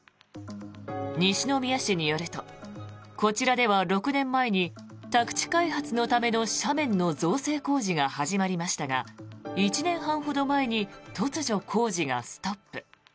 西宮市によるとこちらでは６年前に宅地開発のための斜面の造成工事が始まりましたが１年半ほど前に突如、工事がストップ。